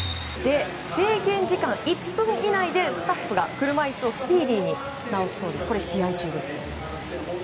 制限時間１分以内でスタッフが車いすをスピーディーに直すそうです試合中です。